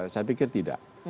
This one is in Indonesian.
saya pikir tidak